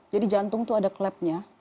jadi jantung itu ada klepnya